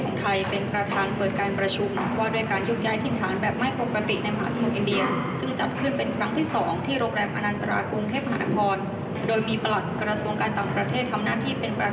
การประชุมว่าด้วยการโยกย้ายถิ่นฐานแบบไม่ปกติในมหาสมุทรอินเดียครั้งที่๒เริ่มเปิดฉากแล้ว